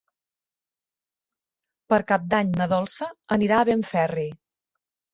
Per Cap d'Any na Dolça anirà a Benferri.